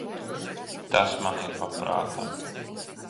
Tas man ir pa prātam.